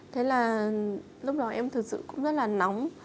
thế là lúc đó em thực sự cũng rất là nóng